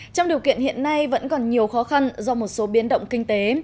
trong điều kiện hiện nay vẫn còn nhiều khó khăn do một số biến động kinh tế